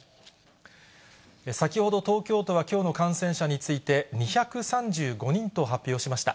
先ほど、東京都はきょうの感染者について、２３５人と発表しました。